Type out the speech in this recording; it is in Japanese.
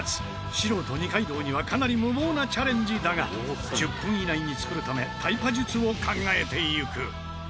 素人二階堂にはかなり無謀なチャレンジだが１０分以内に作るためタイパ術を考えていく。